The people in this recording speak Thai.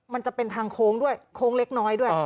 มันจะเป็นทางโค้งด้วยโค้งเล็กน้อยด้วย